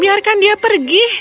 biarkan dia pergi